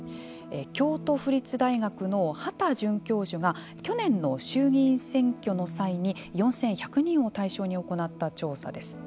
京都府立大学の秦准教授が去年の衆議院選挙の際に４１００人を対象に行った調査です。